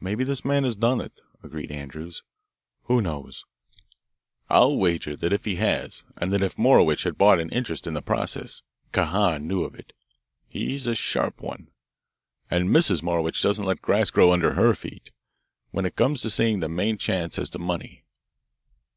"Maybe this man has done it," agreed Andrews. "Who knows? I'll wager that if he has and that if Morowitch had bought an interest in his process Kahan knew of it. He's a sharp one. And Mrs. Morowitch doesn't let grass grow under her feet, when it comes to seeing the main chance as to money.